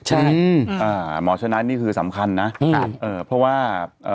หมอชนะนี่คือสำคัญนะ